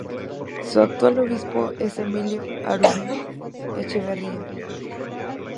Su actual obispo es Emilio Aranguren Echeverria.